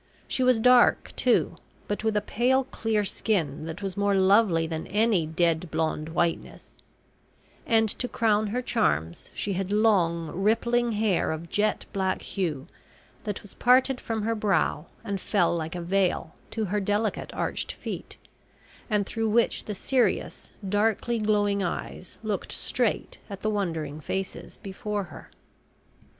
She was dark, too, but with a pale clear skin that was more lovely than any dead blonde whiteness; and to crown her charms, she had long rippling hair of jet black hue that was parted from her brow and fell like a veil to her delicate arched feet, and through which the serious, darkly glowing eyes looked straight at the wondering faces before her.